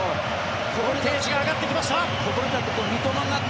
ボルテージが上がってきました。